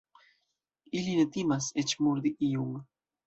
Ili ne timas eĉ murdi iun.